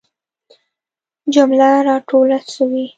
جمله را ټوله سوي.